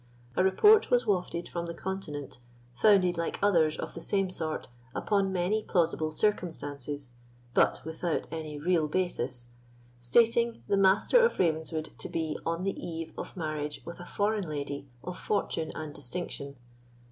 A report was wafted from the continent, founded, like others of the same sort, upon many plausible circumstances, but without any real basis, stating the Master of Ravenswood to be on the eve of marriage with a foreign lady of fortune and distinction.